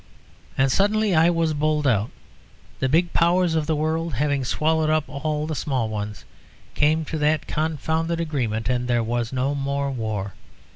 And suddenly I was bowled out. The big Powers of the world, having swallowed up all the small ones, came to that confounded agreement, and there was no more war.